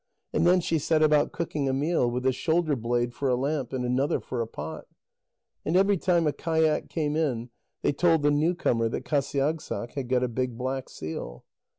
And then she set about cooking a meal, with a shoulder blade for a lamp, and another for a pot. And every time a kayak came in, they told the newcomer that Qasiagssaq had got a big black seal.